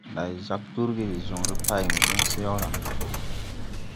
Ndày jāg durgi de joŋre pay wo den so yaw la?